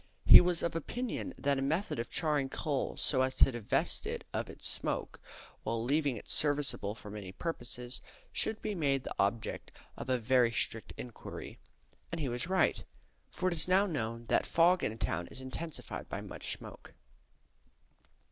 He was of opinion that a method of charring coal so as to divest it of its smoke, while leaving it serviceable for many purposes, should be made the object of a very strict inquiry. And he was right. For it is now known that fog in a town is intensified by much smoke.